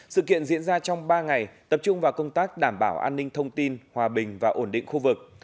sự kiện diễn ra trong ba ngày tập trung vào công tác đảm bảo an ninh thông tin hòa bình và ổn định khu vực